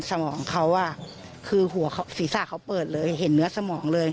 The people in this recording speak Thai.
สมองเขาคือหัวศีรษะเขาเปิดเลยเห็นเนื้อสมองเลย